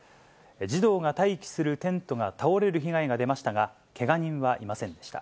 児童が待機するテントが倒れる被害が出ましたが、けが人はいませんでした。